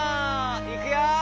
いくよ！